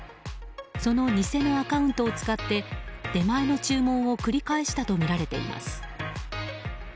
その偽のアカウントを使って出前の注文を繰り返したとみられています。